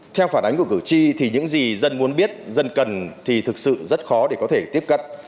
theo phản ánh của cử tri thì những gì dân muốn biết dân cần thì thực sự rất khó để có thể tiếp cận